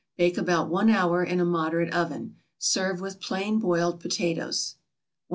Bake about one hour in a moderate oven. Serve with plain boiled potatoes. 189.